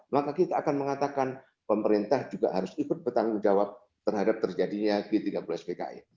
maka kita akan mengatakan pemerintah juga harus ikut bertanggung jawab terhadap terjadinya g tiga puluh spki